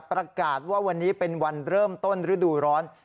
ประกาศว่าวันนี้เป็นวันเริ่มต้นฤดูร้อน